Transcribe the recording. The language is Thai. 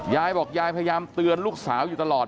ยายบอกยายพยายามเตือนลูกสาวอยู่ตลอด